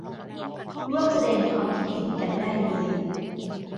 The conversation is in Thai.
ร่วมแสดงความคิดเห็นกันได้เลย